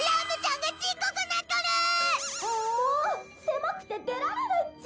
んも狭くて出られないっちゃ。